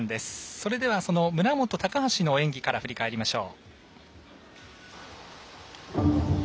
それでは、村元、高橋の演技から振り返りましょう。